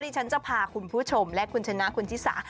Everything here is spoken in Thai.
ฉันจะพาคุณผู้ชมและคุณชนะคุณชิสา